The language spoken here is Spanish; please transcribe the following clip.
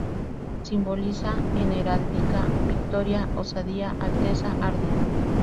Simboliza en heráldica: Victoria, osadía, alteza, ardid.